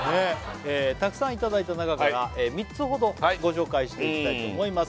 たくさんいただいた中から３つほどご紹介していきたいと思います